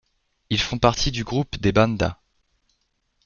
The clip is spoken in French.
Ils font partie du groupe des Banda.